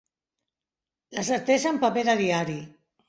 La certesa en paper de diari.